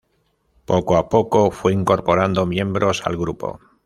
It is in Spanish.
Poco a poco fue incorporando miembros al grupo.